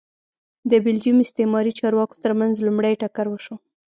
د بلجیم استعماري چارواکو ترمنځ لومړی ټکر وشو